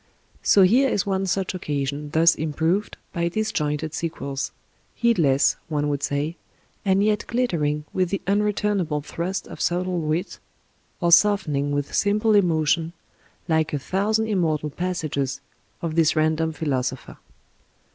So here is one such "occasion" thus "improved" by disjointed sequels — ^heedless, one would say, and yet glittering with the un retumable thrust of subtle wit, or softening with simple emotion, like a thousand immortal passages of this random philosopher.